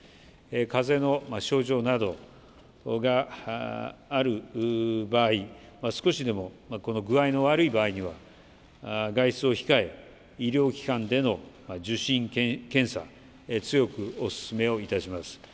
かぜの症状などがある場合、少しでも、具合の悪い場合には、外出を控え、医療機関での受診、検査、強くお勧めをいたします。